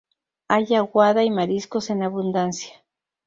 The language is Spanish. Hay aguada y mariscos en abundancia.